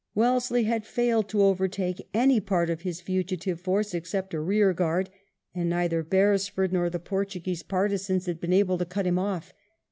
Wellesley had failed to overtake any part of his fugitive force except a rear guard, and neither Beresford nor the Portuguese partisans had been able to cut him off.